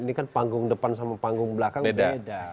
ini kan panggung depan sama panggung belakang beda